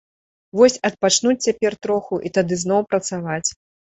Вось адпачнуць цяпер троху і тады зноў працаваць.